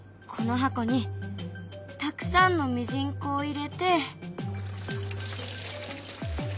この箱にたくさんのミジンコを入れて。